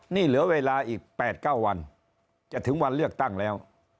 นี่เหลือเวลาอีก๘๙วันจะถึงวันเลือกตั้งแล้ว